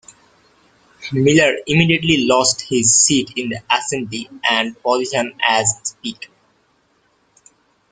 Miller immediately lost his seat in the Assembly and position as Speaker.